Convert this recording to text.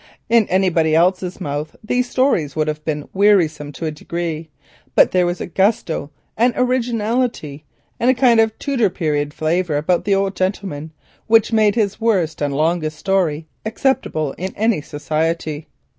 In anybody else's mouth these stories would have been wearisome to a degree, but there was a gusto, an originality, and a kind of Tudor period flavour about the old gentleman, which made his worst and longest story acceptable in any society.